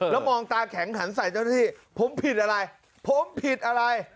แล้วมองตาแข็งหันใส่เจ้าหน้าที่ผมผิดอะไรผมผิดอะไร